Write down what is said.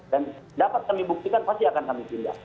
dan dapat kami buktikan pasti akan kami pindah